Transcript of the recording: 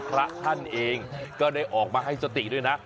พระท่านเองก็ได้ออกมาให้สติด้วยนะ